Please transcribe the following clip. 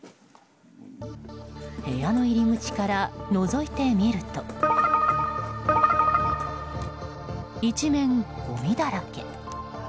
部屋の入り口からのぞいてみると一面、ごみだらけ。